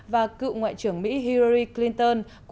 và cựu ngoại trưởng mỹ hillary clinton của đảng dân chủ